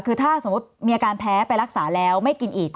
คือถ้าสมมุติมีอาการแพ้ไปรักษาแล้วไม่กินอีก